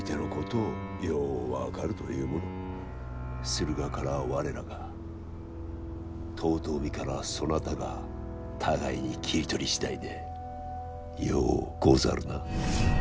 駿河からは我らが遠江からはそなたが互いに切り取り次第でようござるな。